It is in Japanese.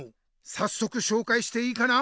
さっそくしょうかいしていいかな？ＯＫ！